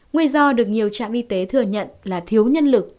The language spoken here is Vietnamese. nguyên do được nhiều trạm y tế thừa nhận là thiếu nhân lực